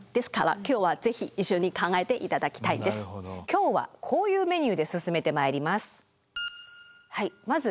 今日はこういうメニューで進めてまいります。